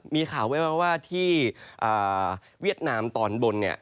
มีข่าวไว้ว่าที่เวียดนามตอนบนเนี่ย